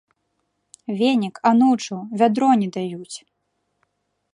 Венік, анучу, вядро не даюць!